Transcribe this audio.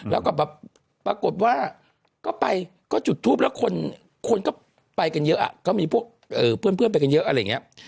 แล้วก็แบบปรากฏว่าก็ไปก็จุดทูปแล้วคนก็ไปกันเยอะก็มีพวกเพื่อนไปกันเยอะอะไรอย่างนี้